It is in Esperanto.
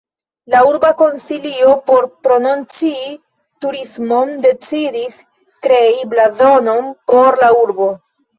La urba konsilio, por promocii turismon, decidis krei blazonon por la urbo.